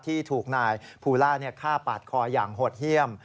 ที่ถูกนายภูล่าฆ่าปาดคออย่างโหดเยี่ยม